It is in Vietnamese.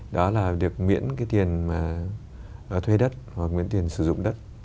đó là được miễn cái tiền mà thuê đất hoặc miễn tiền sử dụng đất